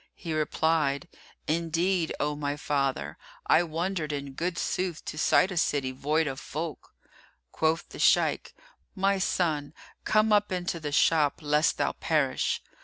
He replied, "Indeed, O my father, I wondered in good sooth to sight a city void of folk." Quoth the Shaykh, "O my son, come up into the shop, lest thou perish."